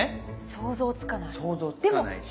想像つかないし。